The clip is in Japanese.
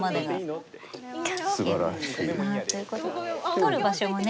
取る場所もね